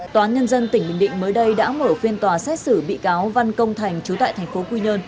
tòa án nhân dân tỉnh bình định mới đây đã mở phiên tòa xét xử bị cáo văn công thành chú tại thành phố quy nhơn